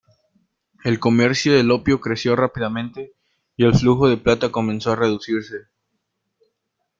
El comercio del opio creció rápidamente, y el flujo de plata comenzó a reducirse.